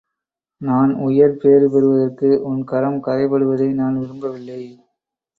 நான் உயர் பேறு பெறுவதற்கு உன் கரம் கறைபடுவதை நான் விரும்பவில்லை.